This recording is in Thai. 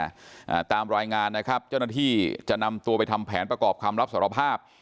อ่าตามรายงานนะครับเจ้าหน้าที่จะนำตัวไปทำแผนประกอบคำรับสารภาพ